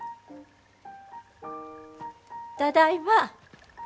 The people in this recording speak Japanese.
ただいま。